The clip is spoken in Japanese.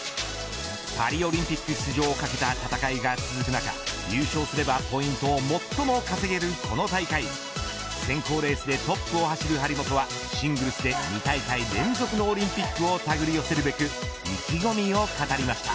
パリオリンピック出場を懸けた戦いが続く中優勝すればポイントを最も稼げるこの大会選考レースでトップを走る張本はシングルスで２大会連続のオリンピックをたぐり寄せるべく意気込みを語りました。